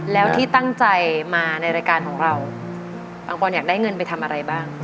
แล้วที่ตั้งใจมาในรายการของเราปังปอนอยากได้เงินไปทำอะไรบ้าง